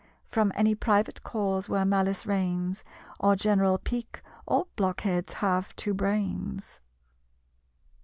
From any private cause where malice reigns, Or general pique all blockheads have to brains."